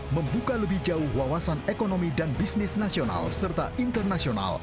membuka lebih jauh wawasan ekonomi dan bisnis nasional serta internasional